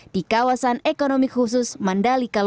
di kawasan ekonomi khusus mandalika